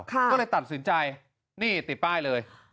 ก็เลยตัดสินใจนี่ติดป้ายเลย